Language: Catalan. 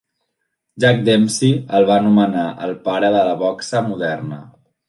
Jack Dempsey el va anomenar el pare de la boxa moderna.